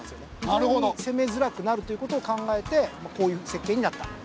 非常に攻めづらくなるという事を考えてこういう設計になった。